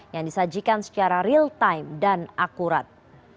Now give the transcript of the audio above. yang disajikan secara real time dan akurat